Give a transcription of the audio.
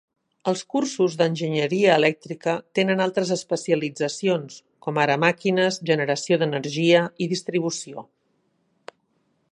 Els cursos d'enginyeria "elèctrica" tenen altres especialitzacions, com ara màquines, generació d'energia i distribució.